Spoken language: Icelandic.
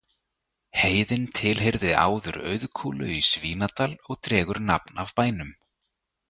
Heiðin tilheyrði áður Auðkúlu í Svínadal og dregur nafn af bænum.